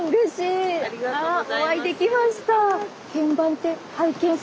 ありがとうございます。